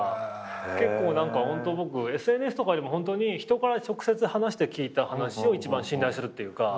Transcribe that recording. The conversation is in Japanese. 結構ホント僕ＳＮＳとかよりも人から直接話して聞いた話を一番信頼するっていうか。